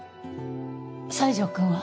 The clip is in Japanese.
西条くんは？